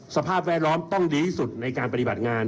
สภาพแวดล้อมต้องดีที่สุดในการปฏิบัติงาน